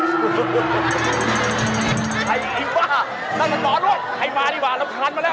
ไอ้บ้านั่นมันหมอด้วยใครมาดีบ้าร้องคันมาแล้ว